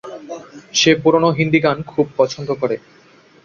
সে পুরানো হিন্দি গান খুব পছন্দ করে।